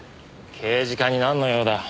刑事課になんの用だ？